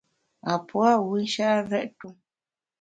A pua’ wù nshèt rèt-tu.